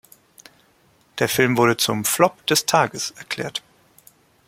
Der Film wurde zum "„Flop des Tages“" erklärt.